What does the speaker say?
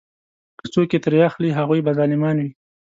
که څوک یې ترې اخلي هغوی به ظالمان وي.